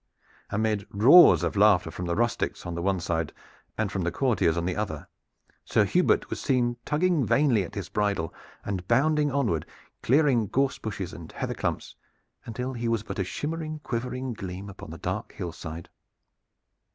Amid roars of laughter from the rustics on the one side and from the courtiers on the other, Sir Hubert was seen, tugging vainly at his bridle, and bounding onward, clearing gorse bushes and heather clumps, until he was but a shimmering, quivering gleam upon the dark hillside.